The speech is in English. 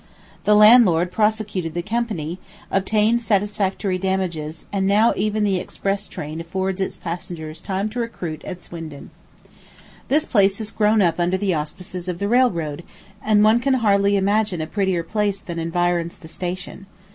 The landlord prosecuted the company, obtained satisfactory damages, and now even the express train affords its passengers time to recruit at Swindon. This place has grown up under the auspices of the railroad, and one can hardly fancy a prettier place than environs the station.